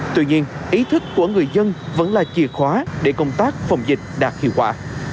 tuy nhiên ý thức của người dân vẫn là chìa khóa để công tác phòng dịch đạt hiệu quả